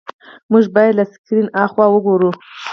موږ باید له سکرین هاخوا وګورو.